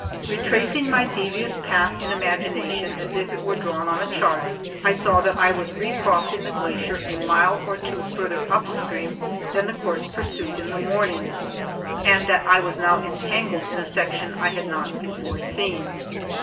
Retracing my devious path in imagination as if it were drawn on a chart, I saw that I was recrossing the glacier a mile or two farther up stream than the course pursued in the morning, and that I was now entangled in a section I had not before seen.